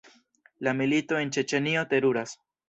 La milito en Ĉeĉenio teruras.